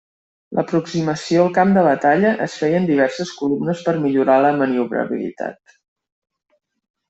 L'aproximació al camp de batalla es feia en diverses columnes per millorar la maniobrabilitat.